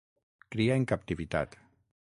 Cria en captivitat.